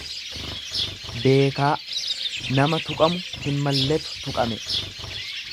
Beekaa, nama tuqamu hin malleetu tuqame.